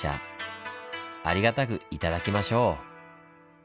ありがたく頂きましょう。